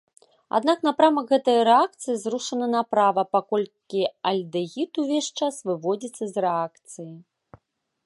Аднак напрамак гэтай рэакцыі зрушаны направа, паколькі альдэгід увесь час выводзіцца з рэакцыі.